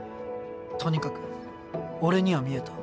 とにかく俺には見えた。